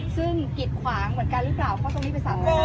ซึ่งกิดขวางเหมือนกันหรือเปล่าเข้าตรงนี้ไปสั่ง